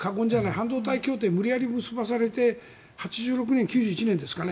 半導体協定を無理やり結ばされて８６年、９１年ですかね。